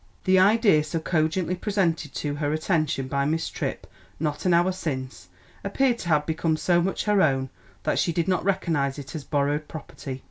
The idea so cogently presented to her attention by Miss Tripp not an hour since appeared to have become so much her own that she did not recognise it as borrowed property.